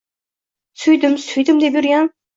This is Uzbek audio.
Suydim, suydim deb yurgan